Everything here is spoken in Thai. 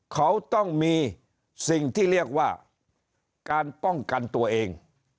เขาต้องมีสิ่งที่เรียกว่าการป้องกันตัวเอง